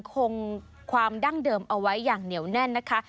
คงความดั้งเดิมเอาไว้อย่างเหนียวแน่นนะคะ